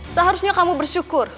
seharusnya kamu bersyukur